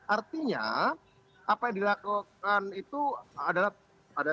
artinya apa yang dilakukan itu adalah pada